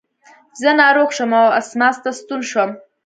زه ناروغ شوم او اسماس ته ستون شوم.